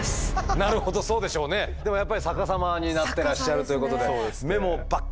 でもやっぱり逆さまになってらっしゃるということで。